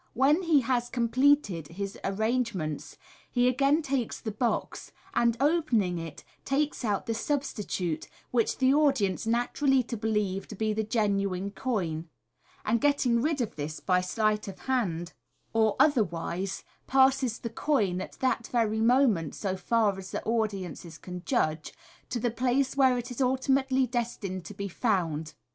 When he has completed his arrangements, he again takes the box, and, opening it, takes out the substitute, which the audience naturally believe to be the genuine coin ; and getting rid of this by sleight of hand or otherwise, 194 MODERN MAGIC. passes the coin (at that very moment, so far as the audience can judge) to the place where it is ultimately destined to be found.